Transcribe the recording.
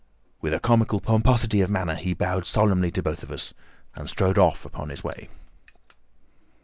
With a comical pomposity of manner he bowed solemnly to both of us and strode off upon his way.